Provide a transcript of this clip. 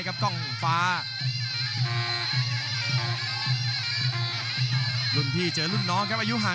กรุงฝาพัดจินด้า